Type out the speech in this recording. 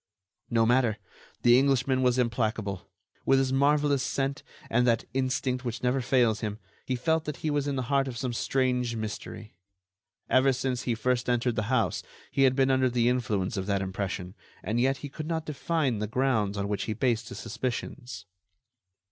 No matter! The Englishman was implacable. With his marvellous scent, and that instinct which never fails him, he felt that he was in the heart of some strange mystery. Ever since he first entered the house, he had been under the influence of that impression, and yet he could not define the grounds on which he based his suspicions.